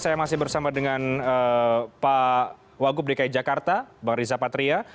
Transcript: saya masih bersama dengan pak wagub dki jakarta bang riza patria